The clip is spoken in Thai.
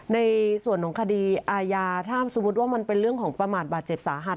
ในส่วนของคดีอาญาถ้าสมมุติว่ามันเป็นเรื่องของประมาทบาดเจ็บสาหัส